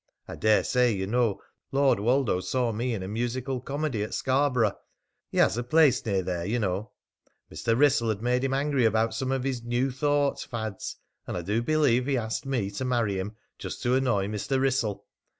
I dare say you know Lord Woldo saw me in a musical comedy at Scarborough he has a place near there, ye know. Mr. Wrissell had made him angry about some of his New Thought fads, and I do believe he asked me to marry him just to annoy Mr. Wrissell.